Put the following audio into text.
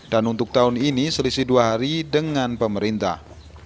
dan untuk tahun ini selisih dua hari dengan pemerintah